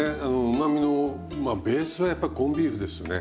うまみのベースはやっぱりコンビーフですね。